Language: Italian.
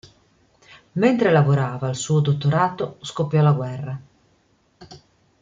Mentre lavorava al suo dottorato, scoppiò la guerra.